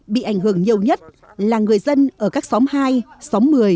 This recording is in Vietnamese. bị ảnh hưởng nhiều nhất là người dân ở các xóm hai xóm một mươi